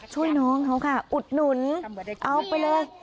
ช่วยน้องเขาค่ะอุดหนุนเอาไปเลย